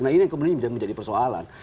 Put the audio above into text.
nah ini kemudian menjadi persoalan